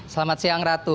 selamat siang ratu